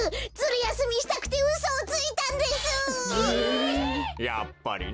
やっぱりね。